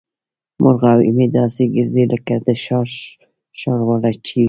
مرغاوۍ مې داسې ګرځي لکه د ښار ښارواله چې وي.